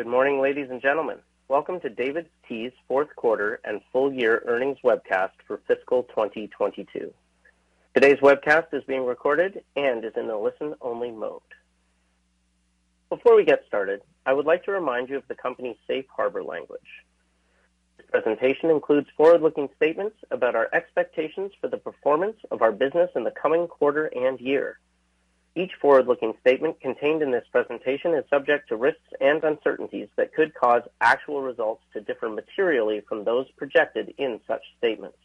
Good morning, ladies and gentlemen. Welcome to DAVIDsTEA's fourth quarter and full year earnings webcast for fiscal 2022. Today's webcast is being recorded and is in a listen-only mode. Before we get started, I would like to remind you of the company's safe harbor language. This presentation includes forward-looking statements about our expectations for the performance of our business in the coming quarter and year. Each forward-looking statement contained in this presentation is subject to risks and uncertainties that could cause actual results to differ materially from those projected in such statements.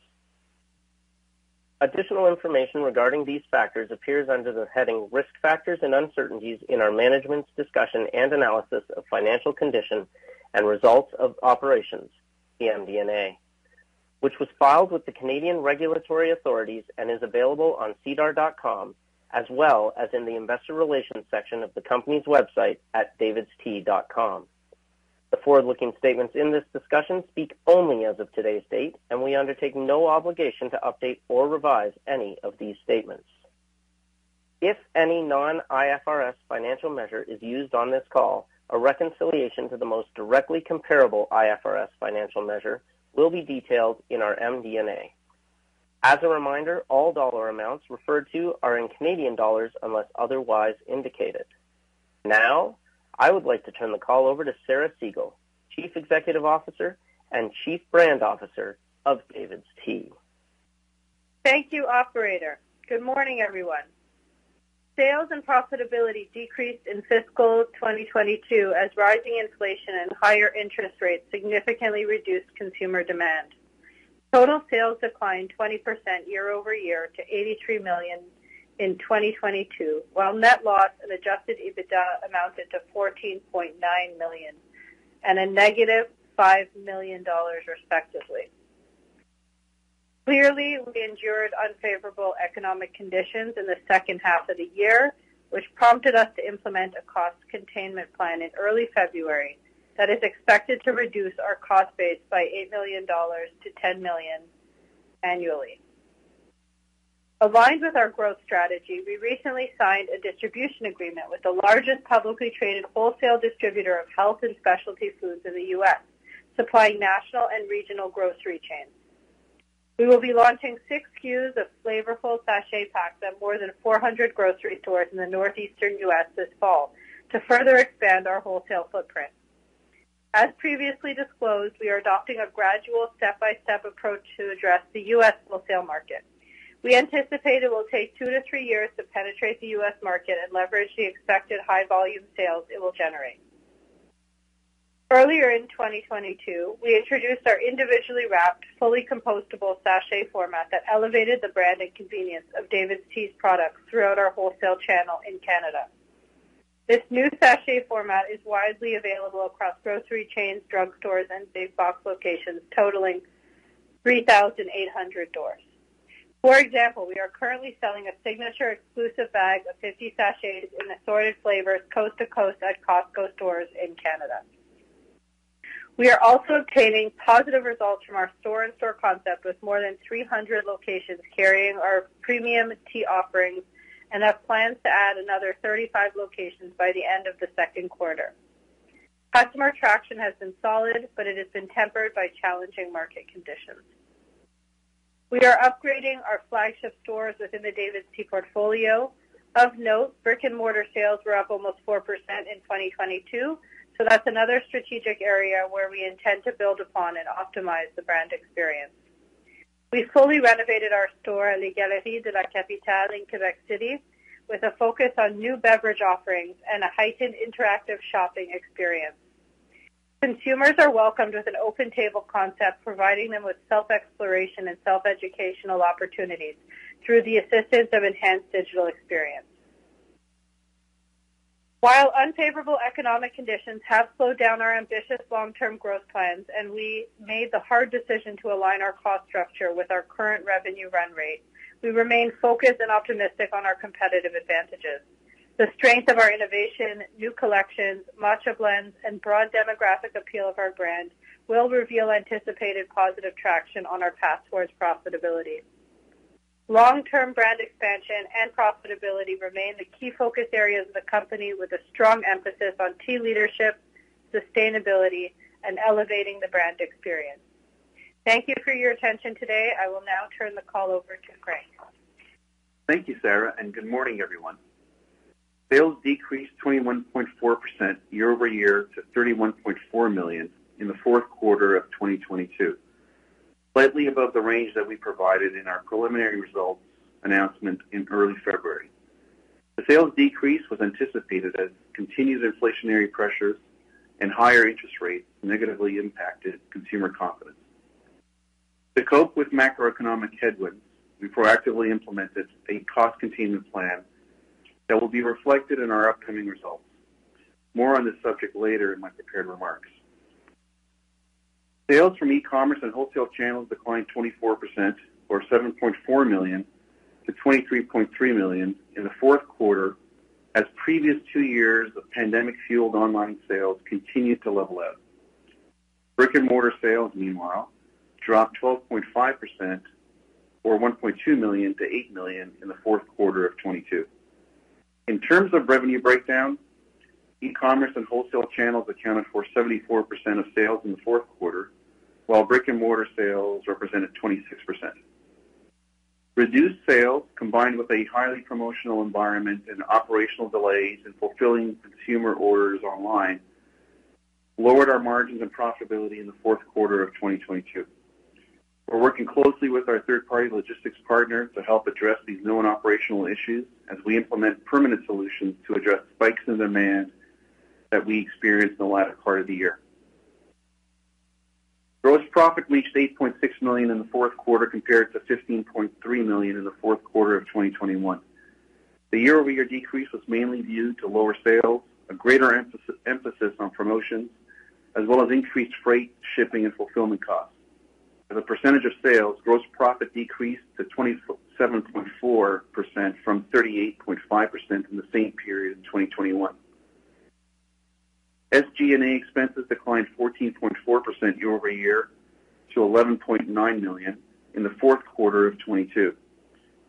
Additional information regarding these factors appears under the heading Risk Factors and Uncertainties in our management's discussion and analysis of financial condition and results of operations, the MD&A, which was filed with the Canadian regulatory authorities and is available on sedarplus.ca, as well as in the investor relations section of the company's website at davidstea.com. The forward-looking statements in this discussion speak only as of today's date, and we undertake no obligation to update or revise any of these statements. If any non-IFRS financial measure is used on this call, a reconciliation to the most directly comparable IFRS financial measure will be detailed in our MD&A. As a reminder, all dollar amounts referred to are in Canadian dollars unless otherwise indicated. Now, I would like to turn the call over to Sarah Segal, Chief Executive Officer and Chief Brand Officer of DAVIDsTEA. Thank you, operator. Good morning, everyone. Sales and profitability decreased in fiscal 2022 as rising inflation and higher interest rates significantly reduced consumer demand. Total sales declined 20% year-over-year to 83 million in 2022, while net loss and adjusted EBITDA amounted to 14.9 million and -5 million dollars, respectively. Clearly, we endured unfavorable economic conditions in the second half of the year, which prompted us to implement a cost containment plan in early February that is expected to reduce our cost base by 8 million-10 million dollars annually. Aligned with our growth strategy, we recently signed a distribution agreement with the largest publicly traded wholesale distributor of health and specialty foods in the U.S., supplying national and regional grocery chains. We will be launching 6 SKUs of flavorful sachet packs at more than 400 grocery stores in the northeastern US this fall to further expand our wholesale footprint. As previously disclosed, we are adopting a gradual step-by-step approach to address the US wholesale market. We anticipate it will take two-three years to penetrate the US market and leverage the expected high volume sales it will generate. Earlier in 2022, we introduced our individually wrapped, fully compostable sachet format that elevated the brand and convenience of DAVIDsTEA's products throughout our wholesale channel in Canada. This new sachet format is widely available across grocery chains, drugstores, and big box locations totaling 3,800 stores. For example, we are currently selling a signature exclusive bag of 50 sachets in assorted flavors coast to coast at Costco stores in Canada. We are also obtaining positive results from our store-in-store concept, with more than 300 locations carrying our premium tea offerings. Have plans to add another 35 locations by the end of the second quarter. Customer traction has been solid. It has been tempered by challenging market conditions. We are upgrading our flagship stores within the DAVIDsTEA portfolio. Of note, brick-and-mortar sales were up almost 4% in 2022. That's another strategic area where we intend to build upon and optimize the brand experience. We fully renovated our store at Les Galeries de la Capitale in Quebec City with a focus on new beverage offerings and a heightened interactive shopping experience. Consumers are welcomed with an open table concept, providing them with self-exploration and self-educational opportunities through the assistance of enhanced digital experience. While unfavorable economic conditions have slowed down our ambitious long-term growth plans, and we made the hard decision to align our cost structure with our current revenue run rate, we remain focused and optimistic on our competitive advantages. The strength of our innovation, new collections, matcha blends, and broad demographic appeal of our brand will reveal anticipated positive traction on our path towards profitability. Long-term brand expansion and profitability remain the key focus areas of the company, with a strong emphasis on tea leadership, sustainability, and elevating the brand experience. Thank you for your attention today. I will now turn the call over to Craig. Thank you, Sarah, and good morning, everyone. Sales decreased 21.4% year-over-year to 31.4 million in the fourth quarter of 2022, slightly above the range that we provided in our preliminary results announcement in early February. The sales decrease was anticipated as continued inflationary pressures and higher interest rates negatively impacted consumer confidence. To cope with macroeconomic headwinds, we proactively implemented a cost containment plan that will be reflected in our upcoming results. More on this subject later in my prepared remarks. Sales from e-commerce and wholesale channels declined 24% or 7.4 million to 23.3 million in the fourth quarter as previous two years of pandemic-fueled online sales continued to level out. Brick-and-mortar sales, meanwhile, dropped 12.5% or 1.2 million to 8 million in the fourth quarter of 2022. In terms of revenue breakdown, e-commerce and wholesale channels accounted for 74% of sales in the fourth quarter, while brick-and-mortar sales represented 26%. Reduced sales, combined with a highly promotional environment and operational delays in fulfilling consumer orders online, lowered our margins and profitability in the fourth quarter of 2022. We're working closely with our third-party logistics partner to help address these known operational issues as we implement permanent solutions to address spikes in demand that we experienced in the latter part of the year. Gross profit reached 8.6 million in the fourth quarter, compared to 15.3 million in the fourth quarter of 2021. The year-over-year decrease was mainly due to lower sales, a greater emphasis on promotions, as well as increased freight, shipping, and fulfillment costs. As a percentage of sales, gross profit decreased to 27.4% from 38.5% in the same period in 2021. SG&A expenses declined 14.4% year-over-year to 11.9 million in the fourth quarter of 2022.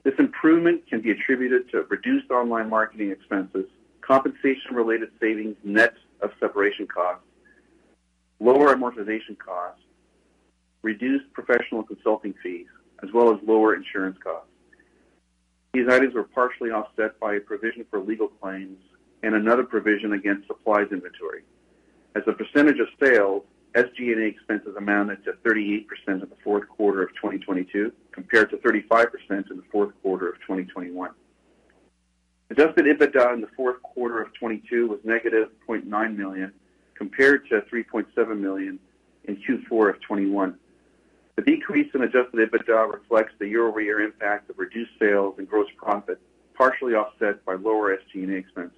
This improvement can be attributed to reduced online marketing expenses, compensation-related savings net of separation costs, lower amortization costs, reduced professional consulting fees, as well as lower insurance costs. These items were partially offset by a provision for legal claims and another provision against supplies inventory. As a percentage of sales, SG&A expenses amounted to 38% of the fourth quarter of 2022, compared to 35% in the fourth quarter of 2021. Adjusted EBITDA in the fourth quarter of 2022 was negative 0.9 million, compared to 3.7 million in Q4 of 2021. The decrease in adjusted EBITDA reflects the year-over-year impact of reduced sales and gross profit, partially offset by lower SG&A expenses.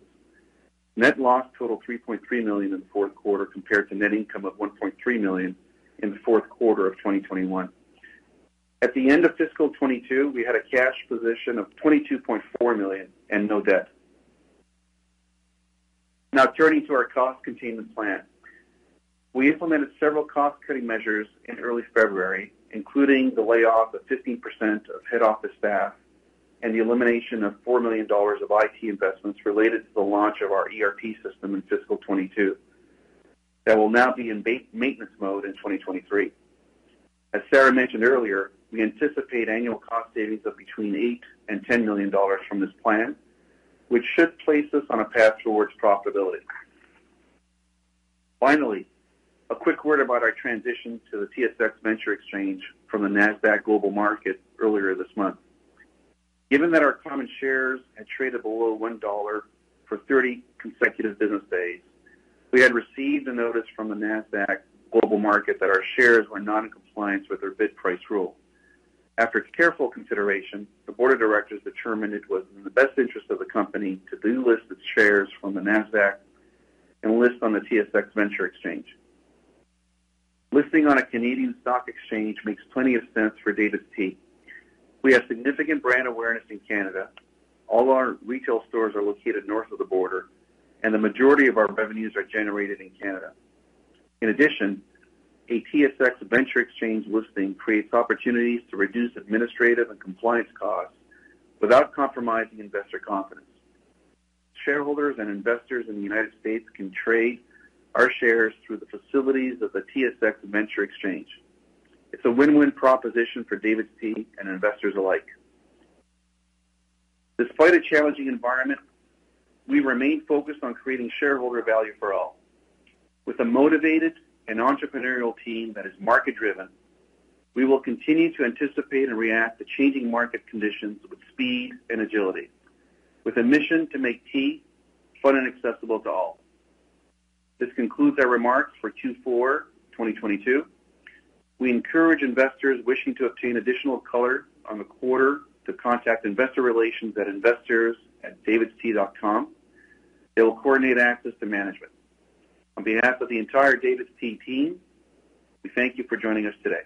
Net loss totaled 3.3 million in the fourth quarter, compared to net income of 1.3 million in the fourth quarter of 2021. At the end of fiscal 2022, we had a cash position of 22.4 million and no debt. Turning to our cost containment plan. We implemented several cost-cutting measures in early February, including the layoff of 15% of head office staff and the elimination of 4 million dollars of IT investments related to the launch of our ERP system in fiscal 2022 that will now be in main-maintenance mode in 2023. As Sarah mentioned earlier, we anticipate annual cost savings of between 8 million and 10 million dollars from this plan, which should place us on a path towards profitability. Finally, a quick word about our transition to the TSX Venture Exchange from the Nasdaq Global Market earlier this month. Given that our common shares had traded below $1 for 30 consecutive business days, we had received a notice from the Nasdaq Global Market that our shares were not in compliance with their bid price rule. After careful consideration, the board of directors determined it was in the best interest of the company to delist its shares from the Nasdaq and list on the TSX Venture Exchange. Listing on a Canadian stock exchange makes plenty of sense for DAVIDsTEA. We have significant brand awareness in Canada, all our retail stores are located north of the border, and the majority of our revenues are generated in Canada. In addition, a TSX Venture Exchange listing creates opportunities to reduce administrative and compliance costs without compromising investor confidence. Shareholders and investors in the United States can trade our shares through the facilities of the TSX Venture Exchange. It's a win-win proposition for DAVIDsTEA and investors alike. Despite a challenging environment, we remain focused on creating shareholder value for all. With a motivated and entrepreneurial team that is market-driven, we will continue to anticipate and react to changing market conditions with speed and agility, with a mission to make tea fun and accessible to all. This concludes our remarks for Q4 2022. We encourage investors wishing to obtain additional color on the quarter to contact investor relations at investors@davidstea.com. They will coordinate access to management. On behalf of the entire DAVIDsTEA team, we thank you for joining us today.